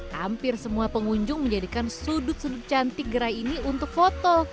hampir semua pengunjung menjadikan sudut sudut cantik gerai ini untuk foto